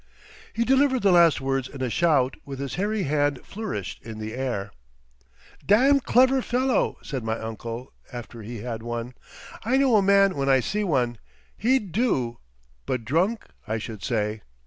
'" He delivered the last words in a shout, with his hairy hand flourished in the air.... "Damn clever fellow," said my uncle, after he had one. "I know a man when I see one. He'd do. But drunk, I should say.